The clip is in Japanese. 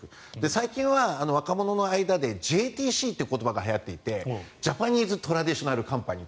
最近は若者の間でＪＴＣという言葉がはやっていてジャパニーズトラディショナルカンパニー。